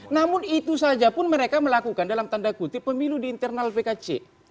namun itu saja pun mereka melakukan dalam tanda kutip pemilu di internal pkc